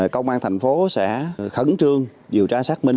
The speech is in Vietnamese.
công an thành phố sẽ khẩn trương điều tra xác minh